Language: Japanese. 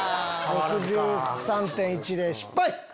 ６３．１で失敗！